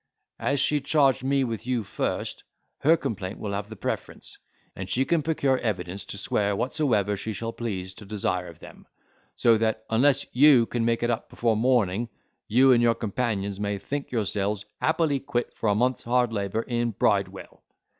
As she charged me with you first, her complaint will have the preference, and she can procure evidence to swear whatsoever she shall please to desire of them; so that, unless you can make it up before morning, you and your companions may think yourselves happily quit for a month's hard labour in Bridewell.